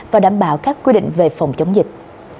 và đảm bảo các quy định về phòng chống dịch